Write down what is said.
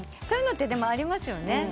そういうのってありますよね？